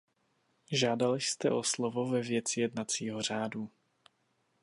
Žádal jste o slovo ve věci jednacího řádu.